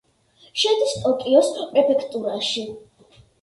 შედის ტოკიოს პრეფექტურაში.